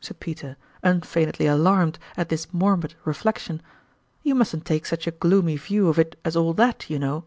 said Peter, unfeignedly alarmed at this morbid reflection, "you mustn't take such a gloomy view of it as all that, you know!"